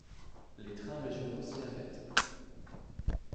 Les trains régionaux s'y arrêtent.